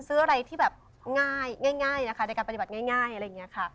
ซื้ออะไรที่แบบง่ายนะคะในการปฏิบัติง่ายอะไรอย่างนี้ค่ะ